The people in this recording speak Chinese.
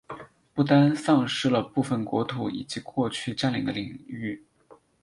不丹丧失了部分国土以及过去占领的领域。